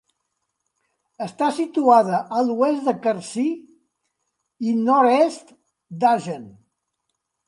Està situada a l'oest de Carcí i nord-est d'Agen.